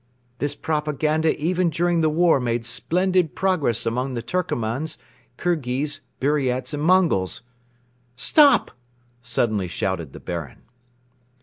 This propaganda even during the War made splendid progress among the Turkomans, Kirghiz, Buriats and Mongols. ... 'Stop!' suddenly shouted the Baron."